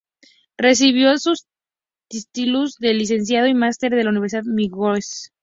Recibió sus títulos de licenciado y magíster en la Universidad de Wisconsin.